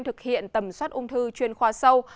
thực hiện tầm soát ung thư chuyên khoa sâu